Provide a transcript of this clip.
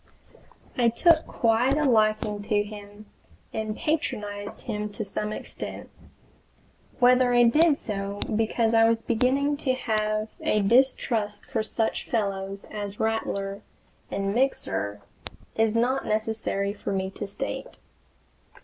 I took quite a liking to him and patronized him to some extent. Whether I did so because I was beginning to have a distrust for such fellows as Rattler and Mixer is not necessary for me to state.